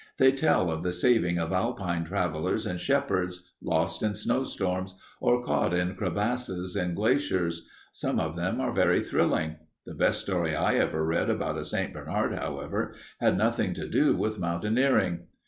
They tell of the saving of Alpine travelers and shepherds, lost in snowstorms or caught in crevasses in glaciers. Some of them are very thrilling. The best story I ever read about a St. Bernard, however, had nothing to do with mountaineering.